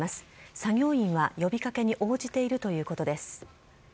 作業員は、呼び掛けに応じているということです。